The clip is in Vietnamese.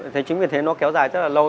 thế chính vì thế nó kéo dài rất là lâu